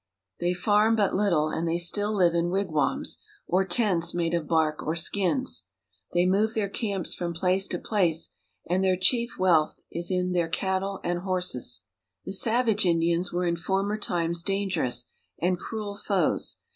They farm but little, and they still live in wig wams, or tents made of bark or skins. They move their camps from place to place, and their chief wealth is in their cattle and horses. The savage Indians were in former times dangerous and cruel foes.